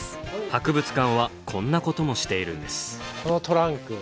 博物館はこんなこともしているんです。